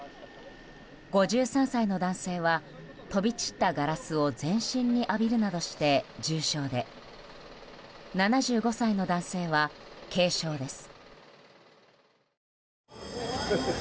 ５３歳の男性は飛び散ったガラスを全身に浴びるなどして重傷で７５歳の男性は軽傷です。